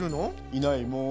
いないもん。